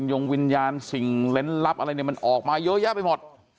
ยงวิญญาณสิ่งเล่นลับอะไรเนี่ยมันออกมาเยอะแยะไปหมด